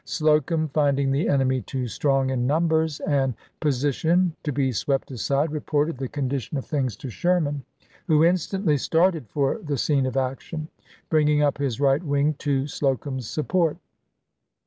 Slocum, finding the enemy too strong in numbers and posi tion to be swept aside, reported the condition of JOHNSTON'S SUREENDEE 235 things to Sherman, who instantly started for the chap, xil scene of action, bringing up his right wing to Slocum's support.